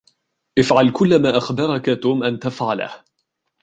إفعل كل ما أخبركَ توم أن تفعله.